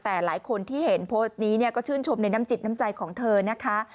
แต่หลายคนที่เห็นโพสต์นี้ก็ชื่นชมในน้ำจิตน้ำใจของเธอนะคะ